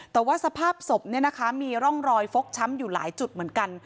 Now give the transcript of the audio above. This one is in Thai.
แต่ว่าสภาพศพมีร่องรอยฟกช้ำอยู่หลายจุดเหมือนกัน